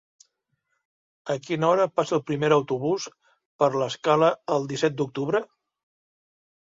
A quina hora passa el primer autobús per l'Escala el disset d'octubre?